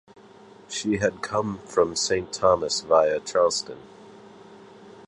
She had come from St Thomas via Charleston.